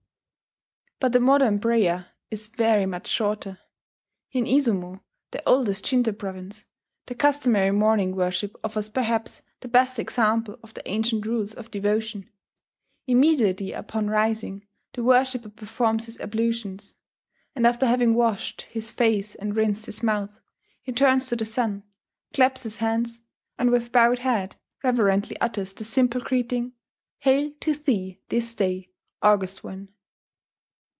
But the modern prayer is very much shorter.... In Izumo, the oldest Shinto province, the customary morning worship offers perhaps the best example of the ancient rules of devotion. Immediately upon rising, the worshipper performs his ablutions; and after having washed his face and rinsed his mouth, he turns to the sun, claps his hands, and with bowed head reverently utters the simple greeting: "Hail to thee this day, August One!"